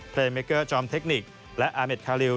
เมเกอร์จอมเทคนิคและอาเมดคาริว